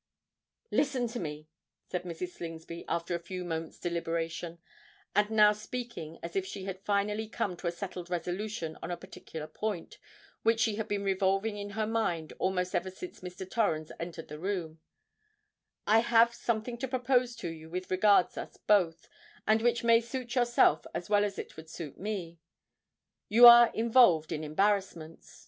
"Listen to me," said Mrs. Slingsby, after a few moments' deliberation, and now speaking as if she had finally come to a settled resolution on a particular point, which she had been revolving in her mind almost ever since Mr. Torrens entered the room: "I have something to propose to you which regards us both, and which may suit yourself as well as it would suit me. You are involved in embarrassments?"